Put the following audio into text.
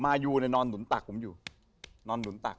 ยูเนี่ยนอนหนุนตักผมอยู่นอนหนุนตัก